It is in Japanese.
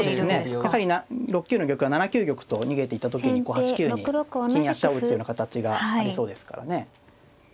やはり６九の玉は７九玉と逃げていった時に８九に金や飛車を打つような形がありそうですからね。